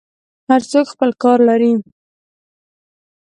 هر څوک خپل کار لري.